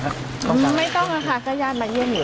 พูดถึงเรื่องคดีบ้างไหมพี่ไม่ให้รายละเอียดเนอะ